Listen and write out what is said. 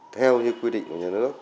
theo như quy định của nhà nước